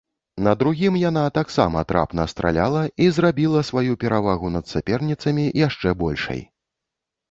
На другім яна таксама трапна страляла і зрабіла сваю перавагу над саперніцамі яшчэ большай.